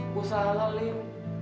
gue salah lim